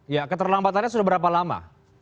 ya keterlambatannya sudah berapa lama